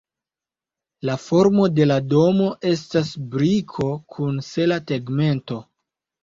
La formo de la domo estas briko kun sela tegmento.